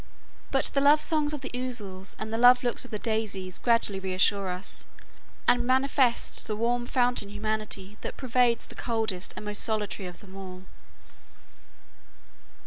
But the love songs of the ouzels and the love looks of the daisies gradually reassure us, and manifest the warm fountain humanity that pervades the coldest and most solitary of them all.